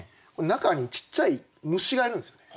中にちっちゃい虫がいるんですよね。